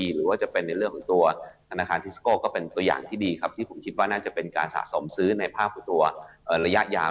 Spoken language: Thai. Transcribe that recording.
หรือว่าจะเป็นในเรื่องของตัวธนาคารทิสโก้ก็เป็นตัวอย่างที่ดีครับที่ผมคิดว่าน่าจะเป็นการสะสมซื้อในภาพของตัวระยะยาว